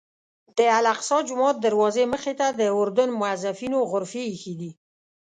د الاقصی جومات دروازې مخې ته د اردن موظفینو غرفې ایښي دي.